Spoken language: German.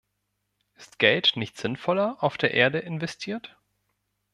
Ist Geld nicht sinnvoller auf der Erde investiert?